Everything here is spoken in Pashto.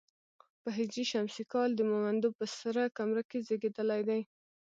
په هـ ش کال د مومندو په سره کمره کې زېږېدلی دی.